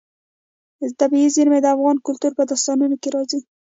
طبیعي زیرمې د افغان کلتور په داستانونو کې راځي.